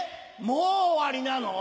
もう終わりなの？